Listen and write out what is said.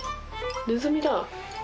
ネズミだ。